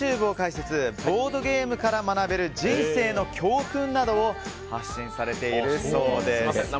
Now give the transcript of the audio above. ボードゲームから学べる人生の教訓などを発信されているそうです。